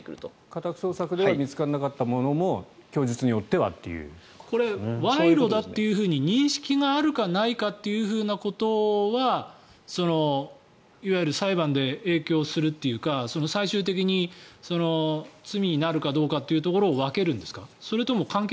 家宅捜索では見つからなかったものもこれ、賄賂だというふうに認識があるかないかということはいわゆる裁判で影響するというか最終的に罪になるかどうかってところを分けるんですか？